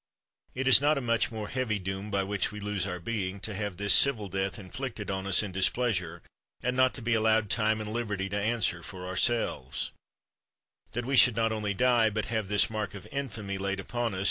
Is it not a much more heavy doom by which we lose our being, to have this civil death inflicted on us in displeasure, and not to be allowed time and liberty to answer for ourselves 1 That we should not only die, but have this mark of infamy laid upon us?